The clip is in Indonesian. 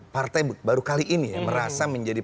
partai baru kali ini ya merasa menjadi